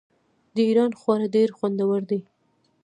د ایران خواړه ډیر خوندور دي.